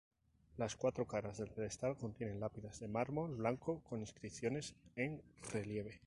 Las cuatro caras del pedestal contienen lápidas de mármol blanco con inscripciones en relieve.